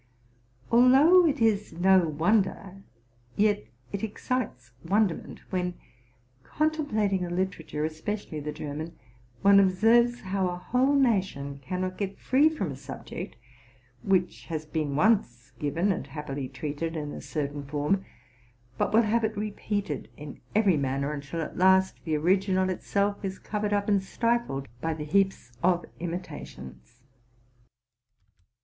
Although it is no wonder, yet it excites wonderment, when contemplating a literature, especially the German, one ob serves how a whole nation cannot get free from a subject which has been once given, and happily treated in a certain form, but will have it repeated in every manner, until, at last, the original itself is covered up, and stifled by the heaps of imitations.